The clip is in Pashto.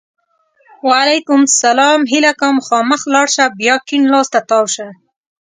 وعلیکم سلام! هیله کوم! مخامخ لاړ شه! بیا کیڼ لاس ته تاو شه!